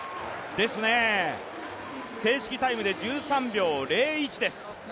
正式タイムで１３秒０１です。